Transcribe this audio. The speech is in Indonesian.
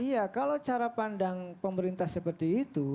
iya kalau cara pandang pemerintah seperti itu